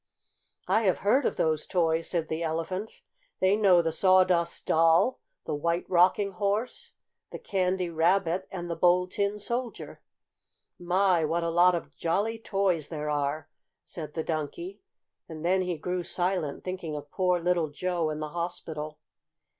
"I have heard of those toys," said the Elephant. "They know the Sawdust Doll, the White Rocking Horse, the Candy Rabbit, and the Bold Tin Soldier." "My, what a lot of jolly toys there are!" said the Donkey. And then he grew silent, thinking of poor little Joe in the hospital.